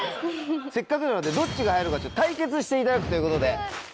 せっかくなのでどっちが早いのか対決していただくということで。